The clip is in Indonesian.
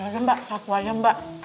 ya mbak satu aja mbak